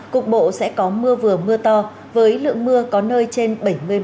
cục bộ sẽ có mưa vừa mưa to với lượng mưa có nơi trên bảy mươi